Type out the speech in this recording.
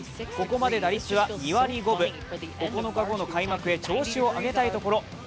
ここまで打率は２割５分、９日後の開幕へ調子を上げたいところ。